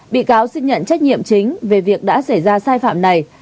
bị cáo xin nhận trách nhiệm chính về việc đã xảy ra sai phạm này